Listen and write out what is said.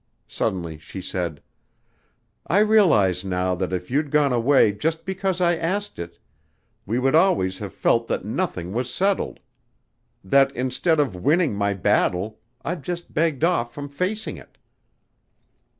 Suddenly she said: "I realize now that if you'd gone away just because I asked it, we would always have felt that nothing was settled; that instead of winning my battle I'd just begged off from facing it."